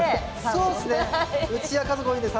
そうですね。